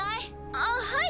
あっはい。